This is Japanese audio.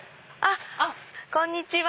こんにちは。